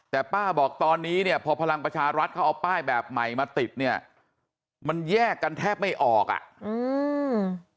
แต่ป้าบอกตอนนี้เนี่ยพอพลังประชารัฐเขาเอาป้ายแบบใหม่มาติดเนี่ยมันแยกกันแทบไม่ออกอ่ะอืม